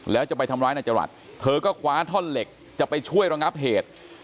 แล้วจะไปทำร้ายนายจรัสเธอก็คว้าท่อนเหล็กจะไปช่วยระงับเหตุ